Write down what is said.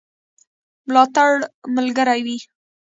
ملاتړ ملګری وي.